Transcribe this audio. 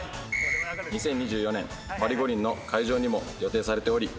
２０２４年パリ五輪の会場にも予定されており。